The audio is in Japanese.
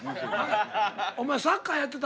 お前サッカーやってた？